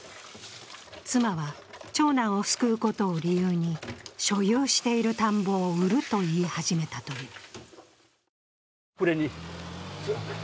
妻は、長男を救うことを理由に所有している田んぼを売ると言い始めたという。